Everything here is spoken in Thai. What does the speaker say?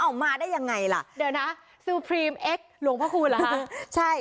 เอาออกมาได้ยังไงล่ะเดี๋ยวนะสูพรีมเอกหลวงพอครูลู้หรอใช่